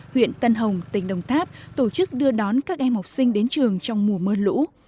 huyện tân hồng tỉnh đồng tháp tổ chức đưa đón các em học sinh đến trường trong mùa mưa lũ